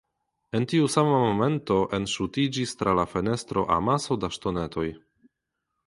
En tiu sama momento, enŝutiĝis tra la fenestro amaso da ŝtonetoj.